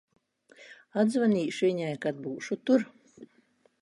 Atzvanīšu viņai, kad būšu tur.